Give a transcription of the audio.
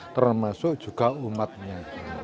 termasuk juga umatnya